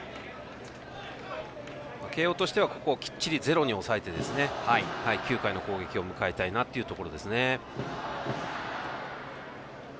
慶応としてはここをきっちりゼロに抑えて、９回の攻撃を迎えたいなというところですね。